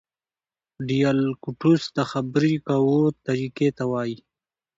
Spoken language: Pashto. ډیالکټوس د خبري کوو طریقې ته وایي.